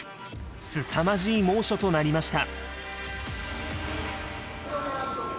すさまじい猛暑となりました。